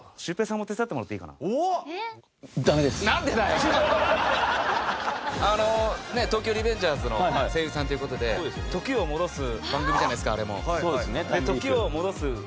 今日ちょっと『東京リベンジャーズ』の声優さんっていう事で時を戻す番組じゃないですかあれも。